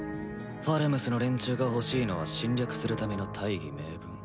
ファルムスの連中が欲しいのは侵略するための大義名分